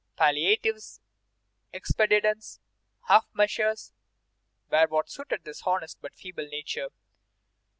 Palliatives, expedients, half measures, were what suited this honest but feeble nature.